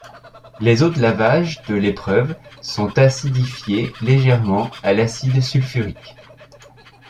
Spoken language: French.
Les eaux de lavage de l'épreuve sont acidifiées légèrement à l'acide sulfurique.